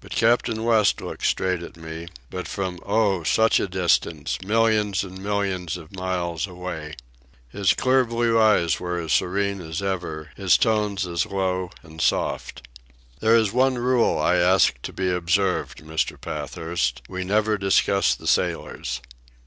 But Captain West looked straight at me, but from oh! such a distance—millions and millions of miles away. His clear blue eyes were as serene as ever, his tones as low and soft. "It is the one rule I ask to be observed, Mr. Pathurst—we never discuss the sailors."